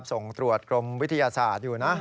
ส่งตรวจกรมวิทยาศาสตร์อยู่นะ